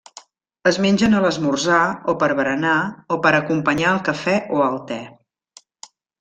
Es mengen a l'esmorzar o per berenar o per acompanyar el cafè o el te.